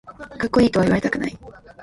かっこいいとは言われたくない